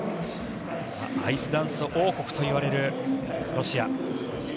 アイスダンス王国といわれるロシア。